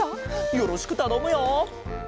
よろしくたのむよ。